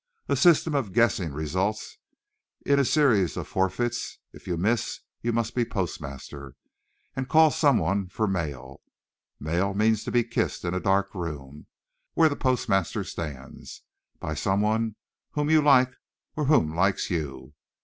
A system of guessing results in a series of forfeits. If you miss you must be postmaster, and call someone for "mail." Mail means to be kissed in a dark room (where the postmaster stands) by someone whom you like or who likes you.